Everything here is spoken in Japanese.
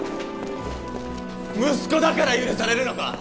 息子だから許されるのか？